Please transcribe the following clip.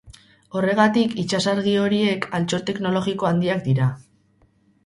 Horregatik, itsasargi horiek altxor teknologiko handiak dira.